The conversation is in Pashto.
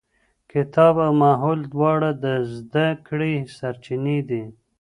کتاب او ماحول دواړه د زده کړې سرچينې دي.